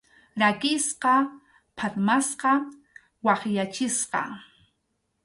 Rakisqa, phatmasqa, wakyachisqa.